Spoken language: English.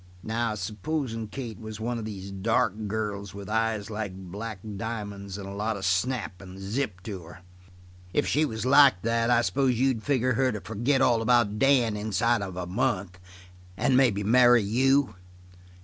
"Now, supposin' Kate was one of these dark girls with eyes like black diamonds and a lot of snap and zip to her. If she was like that I s'pose you'd figure her to forget all about Dan inside of a month and maybe marry you?"